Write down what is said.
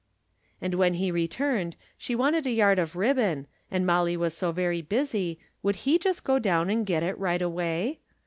And when he returned she wanted a j ard of ribbon, and Mollie was so very busy, would he just go down and get it right away